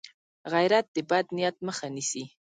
غیرت د بد نیت مخه نیسي